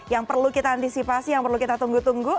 yang perlu kita antisipasi yang perlu kita tunggu tunggu